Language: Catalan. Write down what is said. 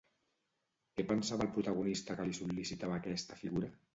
Què pensava el protagonista que li sol·licitava aquesta figura?